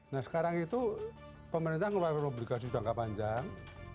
nah sekarang itu pemerintahan ngeluarin obligasi jangka panjang